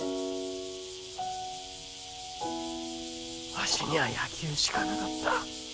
わしにゃあ野球しかなかった。